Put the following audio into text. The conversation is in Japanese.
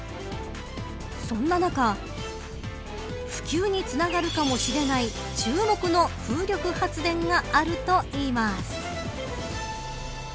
そんな中普及につながるかもしれない注目の風力発電があるといいます。